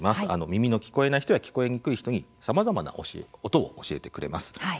耳の聞こえない人や聞こえにくい人にさまざまな音を教えてくれます。